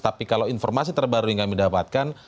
tapi kalau informasi terbaru yang kami dapatkan